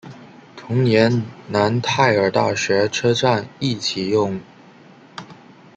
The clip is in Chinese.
同年楠泰尔大学车站亦启用。